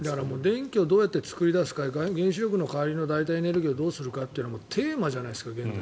電気をどうやって作り出すか原子力の代替エネルギーをどうするかというのはテーマじゃないですか、現代。